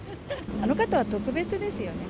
あの方は特別ですよね。